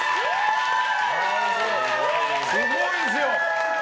すごいですよ。